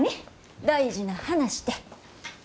大事な話て。